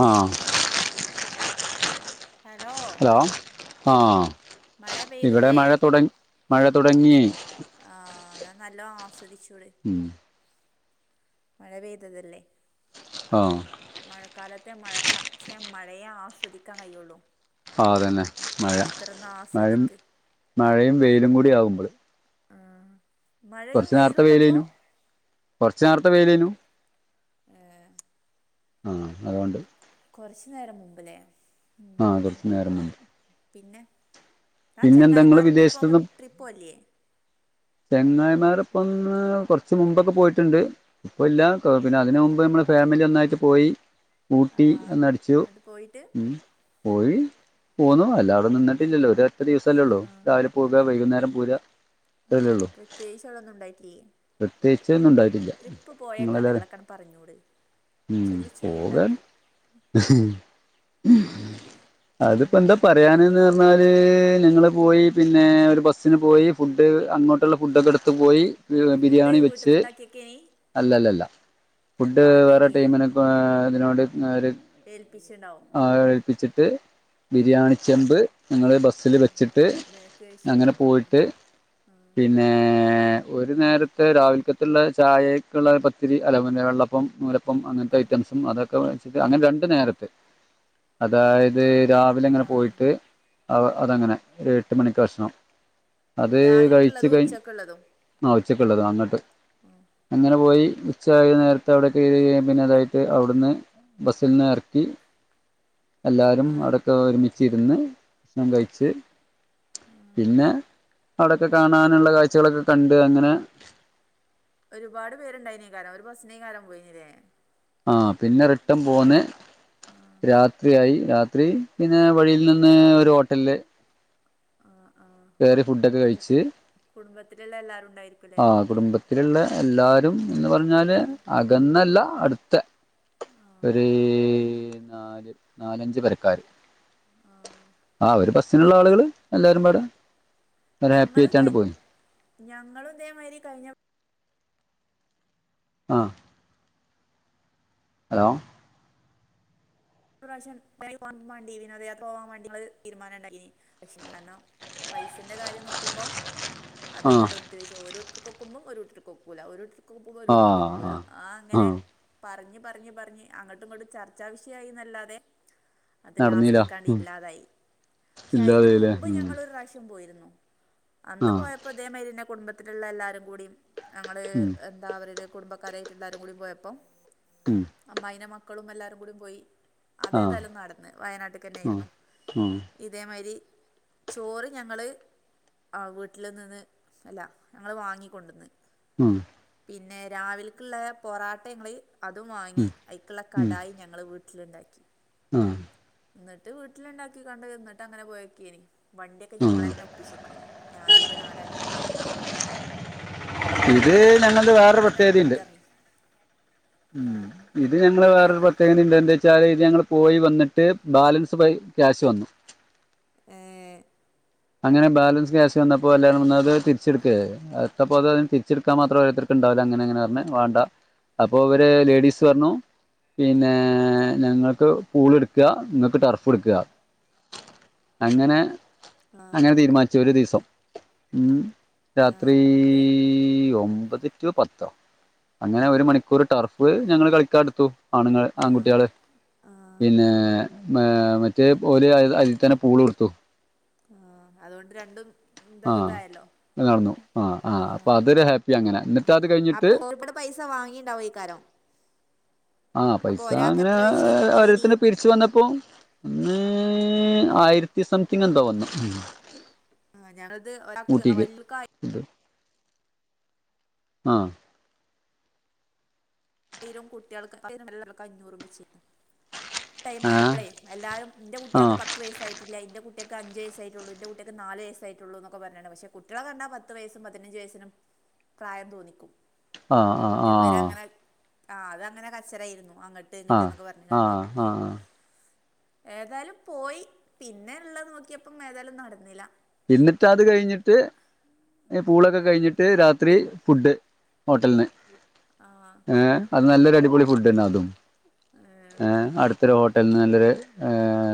ആ hello hello മഴ ആഹ്ഇവിടെ പെയ്തൂലേ മഴ തുട മഴ തുടങ്ങി ആഹ് എന്നാ നല്ല ആസ്വദിചൂട് ഉം മഴ പെയ്തതല്ലേ ആഹ് മഴക്കാലത്തെ മഴക്കാ മഴയെ ആസ്വദിക്കാൻ കയ്യൊള്ളൂ ആഹ് അതന്നെ മഴ മഴയും ആസ്വദിക്ക് മഴയും വെയിലും കൂടി ആകുമ്പോളെ ആ മഴയും വെയിലും ഉണ്ടപ്പോ കൊറച്ചു നേരത്തെ വെയ്ലെനു ഏഹ് ആഹ് അതുകൊണ്ട് കുറച്ചു നേരം മുമ്പ് ലേ ആഹ് കുറച്ച് നേരം വെകും പിന്നെ താൻ ഇങ്ങള് ചെങ്ങായിമാരത്തപ്പോ ഒക്കെ വിദേശത്തുനിന്ന് ട്രിപ്പോകല്ലേ ചെങ്ങായിമാരൊപ്പൊന്ന് കൊറച്ച് മുമ്പൊക്കെ പോയിട്ടുണ്ട് ഇപ്പ ഇല്ല പിന്നെ അതിന് മുമ്പ് നമ്മള് ഫെമിലി ഒന്നായിട്ട് പോയി ഊട്ടി ആഹ് എന്നടിച്ചു എന്നിട്ട് പോയിട്ട് പോയി പോന്നു അല്ല അവിടെ നിന്നിട്ടില്ലല്ലോ ഒരു ഒറ്റ ദിവസമല്ലേ ഉള്ളൂ ആഹ് രാവിലെ പോവുക വൈകുന്നേരം പോര ആ പ്രത്യേകിച്ച് അവിട ഒന്നും ഉണ്ടായിട്ടില്ലേ പ്രത്യേകിച്ച് ഇന്ന് ഉണ്ടായിട്ടില്ല ട്രിപ്പ് പോയ നിങ്ങളെല്ലാര- കഥകളൊക്കെയാണ്ട് പറഞ്ഞൂട് ഉം ചൊല്ലി ചൊല്ലി പോകാന്‍ ഉണ്ടാക്ക് അത്പ്പൊ എന്താ പറ ഉം പറയാനെന്ന് പറഞ്ഞാൽ ഞങ്ങൾ പോയി പിന്നെ ഒരു ബസ്സിന് പോയി ഫുഡ് അങ്ങോട്ടുള്ള ഫുഡൊക്കെ എടുത്ത് പോയി- ഫുഡ് ബിരിയാണി വെച്ച് വീട്ടിന്നുണ്ടാക്കിയൊക്കേനി അല്ലല്ലല്ല ഫുഡ് വേറെ വാങ്ങിയൊക്കേനി ടൈമിന്- അതിനോട് [unintelligible] ഏൽപ്പിച്ചിണ്ടാവു അയാളെ ഏൽപ്പിച്ചിട്ട് ബിരിയാണി ചെമ്പ്- ഞങ്ങൾ ആ ബസ്സിൽ വെച്ചിട്ട് ബേക്ക് വെച്ചിട്ട് അങ്ങനെ ആ പോയിട്ട് പിന്നെ ഒരു നേരത്തെ രാവിലക്കത്തുള്ള ചായക്കുള്ള പത്തിരി അല്ല പിന്നെ വെള്ളപ്പം നൂലപ്പം അപ്പം അങ്ങനത്തെ ഐറ്റംസും അതൊക്കെ വാങ്ങിച്ചിട്ട് അങ്ങനെ രണ്ട നേരത്തെ അതായത് രാ [unintelligible] ഇങ്ങനെ പോയിട്ട് അത് അങ്ങനെ ഒരു എട്ട് മണിക്ക് ഭക്ഷണം അത് കഴി- രാവിലക്കുള്ളതും ഉച്ചക്കുള്ളതും ആ ഉച്ചക്കുള്ളത് അങ്ങട്ട് അങ്ങനെ പോയി ഉച്ചായ നേരത്തെ അവിടെ കേറിപിന്നെ അതായിട്ട് അവിടുന്ന് ബസ്സിൽ നിന്ന് എറക്കി ആ എല്ലാരും അവിടൊക്കെ ഒരുമിച്ചിരുന്ന് ഭക്ഷണം കഴിച്ച് പിന്നെ അവിടൊക്കെ കാണാനുള്ള കാഴ്ചകളൊക്കെ കണ്ട് അങ്ങനെ ഒരുപാട് പേരുണ്ടായിതിനേ കാ [unintelligible] രം ഒരു ബസിനേ കാ [unintelligible] രം പോയിനല്ലേ ആ പിന്നെ റിട്ടൻ പോന്ന് രാത്രിയായി രാത്രി ഇത്‌ പിന്നെ വഴിയിൽ നിന്ന് ഒരു ഹോട്ടലില്- ആഹ് ആഹ് വേറെ ഫുഡൊക്കെ കഴിച്ച് കുടുംബത്തിലുള്ള എല്ലാരും ഇണ്ടായി ആ കുടുംബത്തിലുള്ള എല്ലാരും എന്ന് പറഞ്ഞാല് അകന്നല്ല അടുത്ത ഒരു നാല് നാലഞ്ച് പെരക്കാര് ആ ഒര് ബസ്സിനുള്ള ആളുകള് എല്ലാരും പാടെ ഒരു ഹാപ്പി ഞങ്ങള ഇതേ ആയിട്ടാണ്ട് പോയി ഞങ്ങളും ഇതേമാതിരി കഴിഞ്ഞ ആ ഹലോ പ്രാവശ്യം [unintelligible] വാണ്ടി വിനോദ യാത്ര പോവാൻ വാണ്ടി ഞങ്ങള് തീരുമാനം ഇണ്ടാക്കീഞ്ഞി [unintelligible] പൈസന്റെ കാര്യം നോക്കുമ്പോ ആ അത്ങ്ങട്ട് ഒത്തില്ല ഒരൂട്ടര്ക് ഒക്കുംബം ഓരൂട്ടർക്ക്‌ ഒക്കൂലാ ഒരൂട്ട ക്കുംമ്പം ആ ഒരൂട്ടർ ക്കൊക്കൂല ആ അങ്ങനെ പറഞ്ഞ് പറഞ്ഞ് പറഞ്ഞ് അങ്ങട്ടും ഇങ്ങട്ടും ചർച്ചാ വിഷയായി ന്നല്ലാതെ അത് നടന്നീല ലാസ്റ്റിക്കാണ്ട് ഉം ഇല്ലാതായി പക്ഷെ അയിന് ഇല്ലാതായില്ലേ മുമ്പ് ഉം ഞങ്ങള് ഒരു പ്രാവശ്യം പോയിരുന്നു അന്ന് ആ പോയപ്പോ ഇതേമാതിരിന്നെ കുടുംബത്തിലുള്ള എല്ലാരും കൂടി ഞങ്ങള് ഉം താ അവരുര് കുടുംബക്കാരായിട്ടല്ലാരും കൂടി പോയപ്പം ഉം അമ്മായിനെ മക്കളും എല്ലാരും കൂടി പോയി അത് ആ ആ ഏതായാലും നടന്ന് വയനാട്ട്ക്ക് എന്നെ ആ ആയിരുന്നു ഉം ഇതേമായിരി ചോറ് ഞങ്ങൾ ആ വീട്ടിൽ നിന്ന് അല്ല ഞങ്ങൾ വാങ്ങികൊണ്ടെന്ന് ഉം പിന്നെ രാവിൽക്ക്ള്ള പൊറാട്ട ഞങ്ങള് അതും വാങ്ങി അയിക്ക്ള്ള കടായി ഞങ്ങള് വീ വീട്ടിലുണ്ടാക്കി ആഹ് ഇന്നിട്ട് വീട്ടില് ഇണ്ടാക്കി കാണ്ട് ന്നട്ട് അങ്ങനെ പോയക്കേനി വണ്ടിയൊക്കെ ആ ഞങ്ങളന്നെ ഏൽപ്പിച്ചെക്കെയ്നി ഞാനും ന്റെ നാല് അനിയത്തിമാരും ഇത് ഇനി ഞങ്ങൾത് അപ്പം വേറെ ഞങ്ങൾ തന്നെയാണ് പ്രത്യേകതിണ്ട് മുന്നിട്ടിറങ്ങി ഉം ആ ഇത് ഞങ്ങള് ഏ വേറൊരു പ്രത്യേ കതെന്താ ചാൽ ഇത് ഞങ്ങൾ പോയി വന്നിട്ട് ബാലൻസ് വഴി ക്യാഷ് വന്നു ഏ അങ്ങനെ ബാലൻസ് ക്യാഷ് വന്നപ്പോ എല്ലാരും ഒന്ന്അത് തിരിച്ചെടുക്കയ്ത് ത്തപ്പോ അതിന് തിരിച്ചെടുക്കാൻ മാത്രം ഓരോരുത്തർക്കുംണ്ടാവൂല അങ്ങനെ ഇങ്ങനെ പറഞ് വാണ്ട അപ്പൊ ഇവര് ലേഡീസ് പറഞ്ഞു പിന്നെ ഞങ്ങൾക്ക് പൂള് എട്ക്ക നിങ്ങൾക്ക് ടർഫ് എട്ക്കാ അങ്ങനെ ആ അങ്ങനെ തീരുമാനിച്ചു ഒരു ദിവസം ഉം ആ രാത്രീ ഇത് ഈ ഒമ്പത് ടു പത്തോ അങ്ങനെ ഒരു മണിക്കൂർ ടർഫ് ഞങ്ങള് കളിക്കാൻ എടുത്തു ആണുങ്ങള് ആ ആൺകുട്ടികള് ആ പിന്നെ മേ മറ്റേ ഓൽ അതിൽ തന്നെ പൂള് എട്ത്തു ആ അതുകൊണ്ട് രണ്ടും ഇത് ആഹ് ഇതായല്ലോ നടന്നു ആഹ് ആ അപ്പൊ ആഹ് അതൊരു ഹാപ്പി അങ്ങനെ ന്നിട്ട് അത് കഴിഞ്ഞിട്ട് അപ്പൊ ഒരുപാട് പൈസ വാങ്ങിയിണ്ടാവോയിക്കാരം ആഹ് പൈസ അങ്ങനെ എത്ര വെച്ചീനി അങ്ങനേനി ഓരോരുത്തർ പി രിച്ചു വന്നപ്പോ അന്ന് ആയിരത്തി സംതിങ് എന്തോ വന്നു ആ ഞങ്ങളത് ഒരാക്ക് ആ ഊട്ടിക്ക് വല്യ [unintelligible] [unintelligible] ആ ആയിരം കുട്ടികൾക്ക [inaudible] അഞ്ഞൂറും വെച്ച് ടൈം ആ ആയപ്പളെ എല്ലാരും എന്റെ ആ കുട്ട്യേൾക്ക് പത്ത് വസ്സായിട്ടില്ല ന്റെ കുട്ട്യാൾക്ക് പത്ത് വയസ്സായിട്ടില്ല ഇന്റെ കുട്ട്യേക്ക് അഞ്ച് വസ്സായിട്ടുള്ളൂ എന്റെ കുട്ട്യാൾക്ക് നാല് വയസയിട്ടുള്ളൂ ന്നൊക്ക പറഞ്ഞാണ്ട് പക്ഷെ കുട്ട്യളണ്ടാ പത്ത് വയസ്സും പതിനഞ്ച് വയസിനും പ്രായം തോന്നിക്കും ആ ആ ന്നട്ട് ഇവരെ അങ്ങനെ ആ അത് അങ്ങനെ കച്ചറായിരുന്നു അങ്ങട്ട് ങ്ങട്ട് ആ എന്നൊക്കെ പറഞ്ഞു ആ കാണ്ട് ആ ആ ഏതായാലും പോയി പിന്നെ ഉള്ളത് നോക്കിയപ്പം ഏതായാലും നടന്നില്ല എന്നിട്ട് അത് കഴിഞ്ഞിട്ട് ഈ പൂളൊക്കെ കഴിഞ്ഞിട്ട് രാത്രി ഫുഡ് ഹോട്ടൽന്ന് ആഹ് ഏ അത് നല്ലൊരു അടിപൊളി ഫുഡ്ന്നെ അതും ഏ അടുത്തൊരു ഹോട്ടല്ന്ന് നല്ലൊരു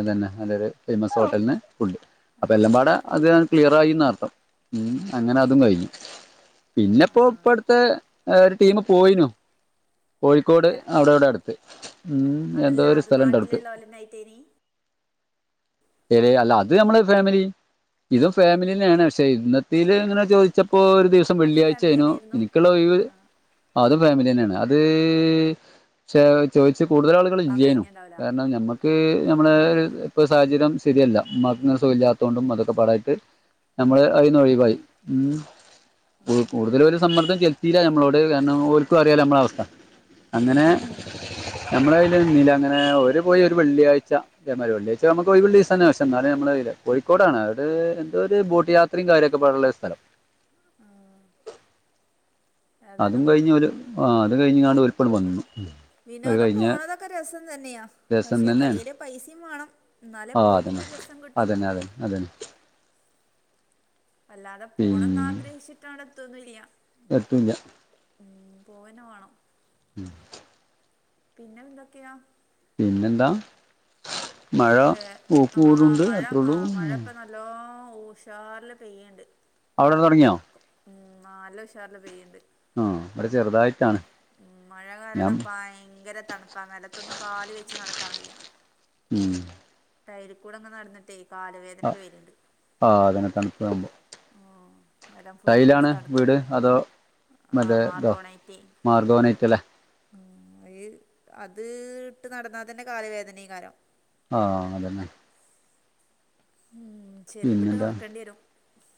ഇതന്നെ നല്ലൊരു ഫേമസ് ഹോട്ടലന്ന് ഫുഡ് അപ്പൊ എല്ലാം പാടെ അത് ക്ലിയറായിന്നാർത്ഥം ഉം അങ്ങനതും കയ്ഞ്ഞു പിന്നെപ്പോ ആഹ് ഇപ്പടുത്തെ ഒരു ടീം പോയിനു കോഴിക്കോട് അല്ല അവിടവിടെ അടുത്ത് ഉം എന്തോ ഒരു സ്ഥലണ്ട് അവ്ടുക്ക് അല നൈത്തേരി രി അല്ല അത് നമ്മള് ഫാമിലി ഇതും ഫാമിലിന്നെയാണ് പക്ഷെ ഇന്നത്തേത് ങ്ങനെ ചോദിച്ചപ്പോ ഒരു ദിവസം സം അതും ഫാമിലി വെള്ളിയാഴ്ചയ്നോ തന്നെയായിരുന്നു എനിക്കുള്ള ഒയിവ് അതും ഫാമിലിയന്നെയാണ് അത് ചേ ചോദിച്ചു കൂടുതലാള് പോവാൻ ല്ലേനു കഴിഞ്ഞിണ്ടാവൂല കാരണം നമ്മക്ക് നമ്മളെ ഇപ്പൊ സാഹചര്യം ശരിയല്ല മ്മാക് സുഖല്യാത്തോണ്ടും അതൊക്കെ പാടായിട്ട് നമ്മള് ആഹ് അതിന്നൊഴിവായി ആഹ് കൂടുതലൊരു സമ്മർദ്ദം ചെല് ത്തീല ഞമ്മളോട് കാരണം ഓര്ക്കും അറിയാലൊ നമ്മളവസ്ഥ ആഹ് അങ്ങനെ അത് ശരിയാ ഞമ്മളയ്ല് നിന്നീലാങ്ങനെ ഓര് പോയി ഒരു വെള്ളിയാഴ്ച തേമാരി വെള്ളിയാഴ്ച നമുക്ക് ഒയിവുള്ളെ തന്നെസം എന്നാല് അമ്മളോയില്ല കോയിക്കോടാണ് അത്എന്തോ ഒരു ബോട്ട് യാത്രയും കാര്യൊക്കെ പാടുള്ള ഒരു സലം ആഹ് അതും ഏതായാലും കഴിഞ്ഞോല് ആ അത് കഴിഞ്ഞ്ങ്ങാണ്ട് ഓലിപ്പള് വന്നു അത് വിനോദം കഴിഞ്ഞ പോണതൊക്കെ രസം തന്നെയാ ദിവസം പക്ഷെ തന്നെയാണ് കയ്യില് പൈസയും വേണം ന്നാലെ പോക്കിനൊര് രസം കിട്ടു അതെ അല്ലാതെ പിന്നെ പോണന്നാഗ്രഹിച്ചിട്ടവിടെത്തൊന്നില്ല്യാ ഇല്യ പോവന്നെ വാണം ഉം പിന്നെന്തൊക്കെയാ പിന്നെന്താ മഴ വേ [unintelligible] ണ്ട് അത്രേള്ളൂ ലോ ഉഷാറില് പെയ്യണ്ട് അവിടെ തൊടങ്ങിയാ ഉം നാല്ലുഷാറ്ല് പെയ്യുണ്ട് ആ ഇവിടെ ചെറുതായിട്ടാണ് മഴ ഞാൻ കാരണം ഭയങ്കര തണ് പ്പ നെലത്തൊന്നും കാല് വെച്ച് നടക്കാൻ വയ്യാ [unintelligible] ടൈലികൂടെങ്ങ് നടന്നിട്ടെ ഈ ആ കാലവേദനൊക്കെ വരണ്ട് ആ, അതന്നെ തണുപ്പ് ആകുമ്പോ എലം ഫുള്ള് ടൈലാണ് തണ്ത്തണ് വീട് അതോ ആഹ് മറ്റേ ഇതോ മാർപോണായിറ്റേ മാർഗോനൈറ്റ് അല്ലേ ആ അ അത്ട്ട് നടന്നാ തന്നെ കാലവേദന കാരം ആഹ് അതന്നെ ഉം ചെരുപ്പിട്ട് പിന്നെന്താ നടക്കേണ്ടി വരും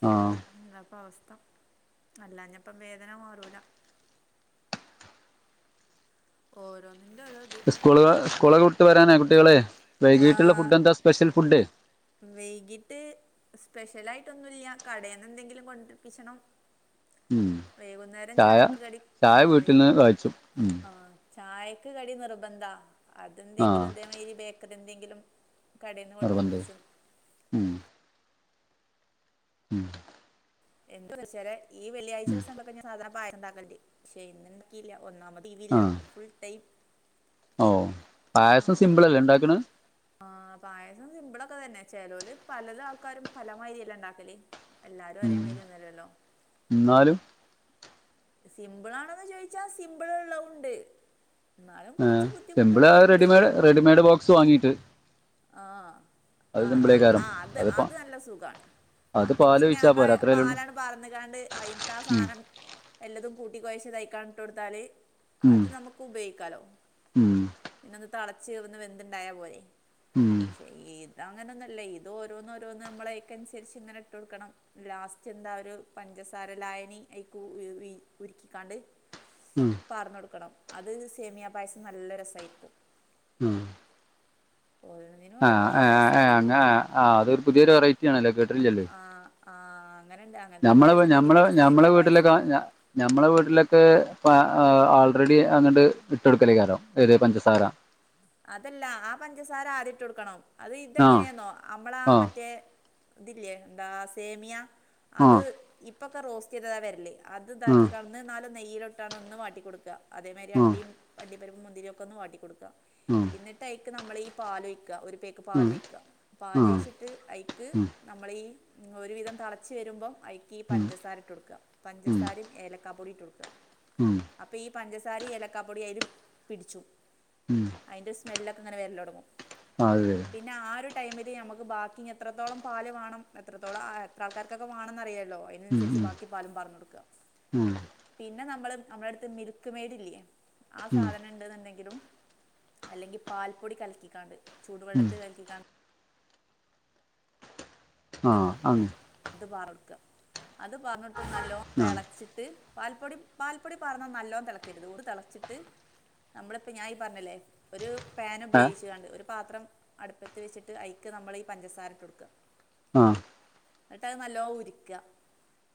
ആഹ് നാപ്പൊവസ്ഥ അല്ലാഞ്ഞപ്പം വേദന മാറൂല ഓരോന്ന്ന്റെത് സ്കൂള് സ്കൂളക്കവിട്ട് വരാനായ കുട്ട്യള് വൈകീട്ടുള്ള ഫുഡെന്താ സ്പെഷ്യൽ ഫുഡ് വൈകീട്ട് സ്പെഷ്യലായിട്ടൊന്നുല്ല കടേന്നെന്തെങ്കിലും കൊണ്ടപ്പിച്ചണം ഉം വൈകുന്നേരം ചായ ചായക്ക് കടി ആ ചായ വീട്ടിൽന്ന് കാച്ചും ഉം ആഹ് ചായക്ക് കടി നിർബന്ധാ ആഹ് അതെന്തെങ്കിലും ഇതേ മരി ബേക്കറി എന്തെങ്കിലും കടേന്ന് കൊണ്ടിരിപ്പിച്ചും [unintelligible] ഉം [unintelligible] ഉം ടീവില്ല ആഹ് ഫുൾ ടൈം ഓ പായസം സിമ്പിളല്ലേ ഉണ്ടാക്ക്ണ് ആഹ് പായസം സിമ്പിളൊക്കെ തന്നെ ചെലോല് പലതാൾക്കാരും പലമാരിയല്ലേണ്ടാക്കല് എല്ലാരും ഒരേ ഉം മായിരിന്നുലല്ലോ എന്നാലും സിംമ്പിളാണെന്ന് ചോയിച്ചാ സിംമ്പിൾ ഉള്ള ഉണ്ട് എന്നാലും ഏഹ് കൊറച്ച് സിമ്പിള് ആ ബുദ്ധിമുട്ടുള്ളതുണ്ട് റെഡിമെയ്ഡ് റെഡിമെയ്ഡ് ബോക്സ് വാങ്ങീട്ട് ആഹ് അത് ആഹ് സിമ്പിളേക്കാരം ആഹ് അത് അതിപ്പോ അത് നല്ല സുഖാണ് അത് പിന്നെ പാലൊഴിച്ചാ പോരെ നമ്മള് അത്രല്ലേള്ളൂ പാലാണ്ട് പാറ്ന്ന്ക്കാണ്ട് അയിത്താ ഉം സാനം എല്ലതും കൂട്ടികൊഴച്ച് അത് അയിക്കാണ്ട് ഇട്ടോട്ത്താല് ഉം അത് നമുക്ക് ഉപയോഗിക്കാലോ ഉം പിന്നോന്ന് തളച്ച് ഒന്ന് വെന്ത്‌ണ്ടായാ പോരെ ഉം പക്ഷെ ഈ ഇതങ്ങനൊന്നുല്ല ഇതോരോന്ന് ഓരോന്ന് നമ്മളയ്ക്കന്സരിച്ച് ഇങ്ങനെ ഇട്ടോട്ക്കണം ലാസ്റ്റ്ന്താ ഒര് പഞ്ചസാര ലായനി അയിക്ക് ഉഴി ഉര്ക്കിക്കാണ്ട് മ്മ് പാർന്നോട്ക്കണം അത് സേമിയാ പായസം നല്ല രസായിരിക്കും ഉം ഓരോന്നിനും ഓരോ ആഹ് ഏഹ് ഏഹ് രസാണ് അങ്ങ ആഹ് അതൊര് പുതിയൊരു വെറൈറ്റിണല്ലോ കേ ആഹ് ആഹ് അങ്ങനല്ലാ ഞമ്മള് ഞമ്മളെ ഞമ്മളെ വീട്ടിലൊക്ക ഞ ഞമ്മളെ വീട്ടിലൊക്കെ ഏഹ് ആ ആൾറെഡി അങ്ങട്ട് ഇട്ടോട്ക്കലേക്കാരം ഏത് പഞ്ചസാര അതല്ലാ ആ പഞ്ചസാര ആദ്യ ഇട്ടോട്ക്കണം അത് ആഹ് ഇതെങ്ങനെയാെന്നോ നമ്മളാ ആഹ് മറ്റേ ഇതില്ലേ എന്താ സേമിയ അത് ആഹ് ഇപ്പൊക്കെ റോസ്റ്റ്യ്താ വരല് അത് ആഹ് ഇതാക്കിക്കാണ്ടേന്നേ ന്നാലും നെയ്യിലിട്ടാണ്ടോന്ന് വാട്ടിക്കൊട്ക്ക അതേമാതിരി ആഹ് അണ്ടിം അണ്ടി പരിപ്പും മുന്തിരി ഒക്കൊന്ന് വാട്ടിക്കൊട്ക്ക ആഹ് എന്നിട്ടയ്ക്ക് നമ്മള് ഈ പാലൊഴിക്ക ഒരു പേക്ക് പാലൊഴിക്ക ആഹ് ആഹ് ആഹ് പാലൊഴിച്ച് ട്ട് അയിക്ക് ഉം നമ്മളീ ഒരു വിധം തളച്ച് വരുമ്പം അയിക്ക് ഈ പഞ്ചസാര ഇട്ടോട്ക്ക ഉം ഉം പഞ്ചസാരിം ഏലക്കാ പൊടിയിട്ടോട്ക്ക ഉം അപ്പ ഈ പഞ്ചസാരിം ഏലക്കാപ്പൊടിം അയില് പിടിച്ചു ഉം അയിന്റെ സ്മെല്ലൊക്കെ ഇങ്ങനെ വരലൊട്ങ്ങും ആതെ പിന്നെ ആ ഒരു ടൈമില് നമുക്ക് ബാക്കിഞ്ഞ് എത്രത്തോളം പാല് വാണം എത്രത്തോളം എ എത്ര ആൾക്കാർക്കെ വാണന്ന് അറിയാല്ലോ ഉം അയിനനുസരിച്ച് ഉം ബാക്കി പാലും പാറ്ന്നോട്ക്ക ഉം പിന്നെ നമ്മള് നമ്മള്ളട്ത്ത് മിൽക്ക് മെയ്ഡ് ഇല്ല്യ ആ ഉം സാധനം ഇണ്ട്ന്ന്ണ്ടേങ്കിലും അല്ലെങ്കി പാൽപ്പൊടി കല്ക്കിക്കാണ്ട് ഉം ചൂടുവെള്ളത്ത് കല്ക്കിക്കാ ത് ആഹ് അങ്ങ് അത് പാറ്ന്നോട്ക്ക അത് പാറ്ന്നോട്ത്ത് നല്ലോം ആഹ് തെളച്ച്ട്ട് പാൽപ്പൊടി പാൽപ്പൊടി പാറ്ന്നാ നല്ലോം തെളക്കര്ത് ഓന്ന് തെളച്ച്ട്ട് നമ്മളിപ്പ ഞാൻ ഈ പറഞ്ഞ്ലേ ഒര് പാന് ഏഹ് ഉപയോഗിച്ചാണ്ട് ഒരു പാത്രം അട്പ്പത്ത് വെച്ചിട്ട് അയിക്ക് നമ്മള് ഈ പഞ്ചസാര ഇട്ടോട്ക്ക ആഹ് ഇന്നട്ടത് നല്ലോം ഉര്ക്ക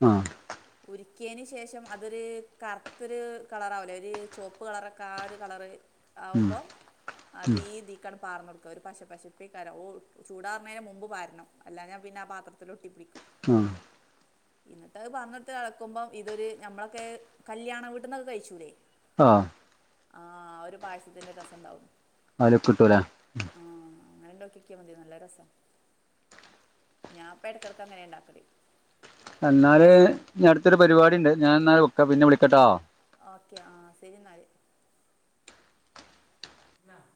ആഹ് [unintelligible] ഉരിക്കിയേന് ശേഷം അതൊരു കറ്ത്തൊര് കളറാവുലേ ഒര് ചോപ്പ് കളറൊക്കെ ആ ഒരു കളറ് ഉം ആവുമ്പോ ഉം അതീ ഇതിക്കാണ്ട് പാറ്ന്നോ ക്ക ഒരു പശപ്പശപ്പേക്കാരം ഒ ചൂടാറ്ണേന് മുമ്പ് പാരണം അല്ലാഞ്ഞാ പിന്നെ ആ പാത്രത്തില് ഒട്ടി പിടിക്കും ആഹ് ഇന്നട്ടത് പറന്നോട്ത്ത് എളക്കുമ്പം ഇതൊരു നമ്മളൊക്കെ കല്യാണ വീട്ടന്നൊക്കെ കഴിച്ചൂലേ ആഹ് ആഹ് ഒരു പായസത്തിന്റെ രസണ്ടാവും [unintelligible] ആഹ് അങ്ങനെ ഇണ്ടാക്കിയൊക്കിയ മതി നല്ല രസ ഞാൻപ്പം എടകടക്ക് അങ്ങനെ ഇണ്ടാക്കൽ എന്നാലല് ഞ അടുത്തൊരു പരിപാടി ഉണ്ട് ഞാൻ എന്നാൽ വക്ക പിന്നെ വിളിക്കട്ടോ ഓക്കെ ആഹ ശെരി ഇന്നാൽ